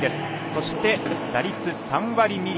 そして打率３割２厘